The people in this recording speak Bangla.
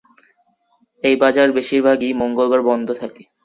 এই বাজার বেশিরভাগই মঙ্গলবার বন্ধ থাকে।